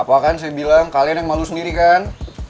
apa kan saya bilang kalian yang malu sendiri kan